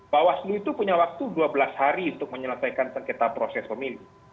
bawaslu itu punya waktu dua belas hari untuk menyelesaikan sengketa proses pemilu